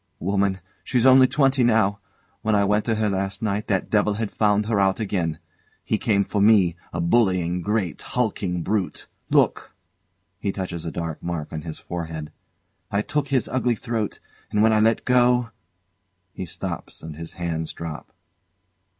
Woman! She's only twenty now! When I went to her last night, that devil had found her out again. He came for me a bullying, great, hulking brute. Look! [He touches a dark mark on his forehead] I took his ugly throat, and when I let go [He stops and his hands drop.